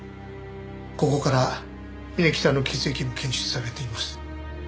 ここから峯木さんの血液も検出されています。